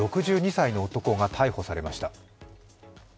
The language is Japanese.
６２歳の男が逮捕されました。